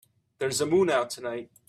There's a moon out tonight.